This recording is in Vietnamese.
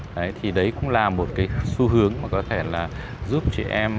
đấy thì đấy cũng là một cái xu hướng mà có thể là giúp chị em